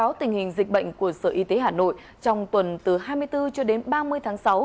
trước tình hình dịch bệnh của sở y tế hà nội trong tuần từ hai mươi bốn cho đến ba mươi tháng sáu